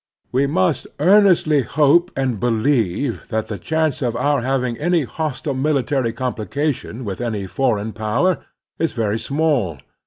We most earnestly hope and believe that the chance of our having any hostile miUtary complica tion with any foreign power is very small.